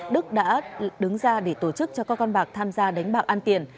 đức đã đứng ra để tổ chức cho các con bạc tham gia đánh bạc an tiền